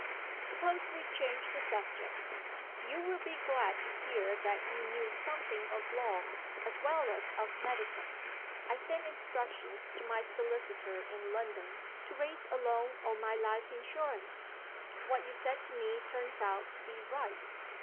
Suppose we change the subject. You will be glad to hear that you knew something of law, as well as of medicine. I sent instructions to my solicitor in London to raise a loan on my life insurance. What you said to me turns out to be right.